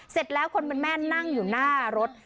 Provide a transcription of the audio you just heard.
เสร็จแล้วคนเป็นแม่นั่งอยู่หน้ารถ